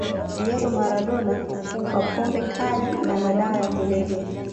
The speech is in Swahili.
diego maradona kwa pombe kali na madawa ya kulevya